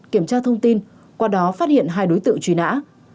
kiểm tra thông tin qua đó phát hiện hai đối tượng truy nã